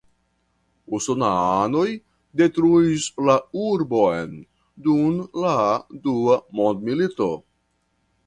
Usonanoj detruis la urbon dum la Dua Mondmilito.